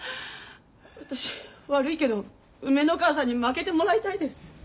私悪いけど梅ノ川さんに負けてもらいたいです。